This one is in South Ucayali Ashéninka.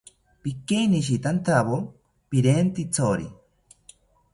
Pikeinishitantawo pirentzitori